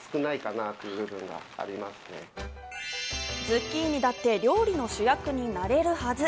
ズッキーニだって料理の主役になれるはず。